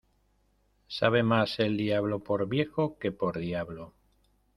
Sabe mas el diablo por viejo, que por diablo.